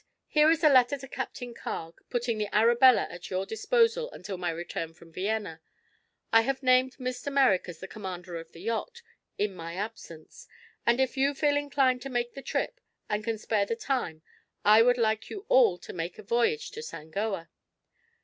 Here is a letter to Captain Carg, putting the Arabella at your disposal until my return from Vienna. I have named Mr. Merrick as the commander of the yacht, in my absence, and if you feel inclined to make the trip and can spare the time I would like you all to make a voyage to Sangoa."